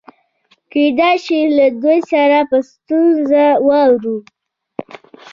کېدای شي له دوی سره په ستونزه واوړو.